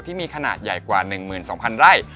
ที่มีขนาดใหญ่กว่า๑๒๐๐ไร่